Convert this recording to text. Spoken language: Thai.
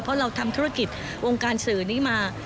เพราะเราทำธุรกิจวงการสื่อนี้มา